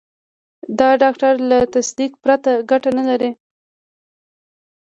د ډاکټر له تصدیق پرته ګټه نه لري.